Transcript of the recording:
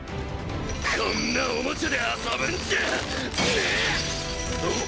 こんなおもちゃで遊ぶんじゃねえっ！